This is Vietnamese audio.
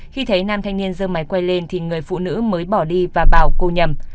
khi thấy nam thanh niên dơ máy quay lên thì người phụ nữ mới bỏ đi và bảo cô nhầm